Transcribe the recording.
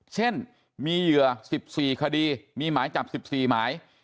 เช่นมีเหยื่อสิบสี่คดีมีหมายจับสิบสี่หมาย